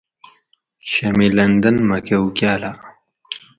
شامِ لندن مھکہ اُوکالاۤ